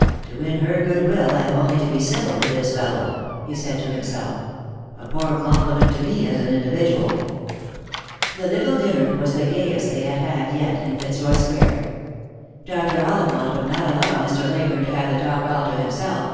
" To win her good will, I have only to be civil to this fellow," he said to himself. " A poor compliment to me, as an indi vidual." The little dinner was the gayest they had yet had in Fitzroy square. Dr. Ollivant wou'c* not allow Mr. Leyburne to hava the talk all to himself.